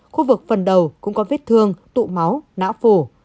khu vực phần đầu cũng có vết thương tụ máu não phổ